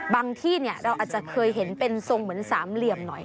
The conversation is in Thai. ที่เราอาจจะเคยเห็นเป็นทรงเหมือนสามเหลี่ยมหน่อย